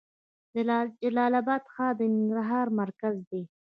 د جلال اباد ښار د ننګرهار مرکز دی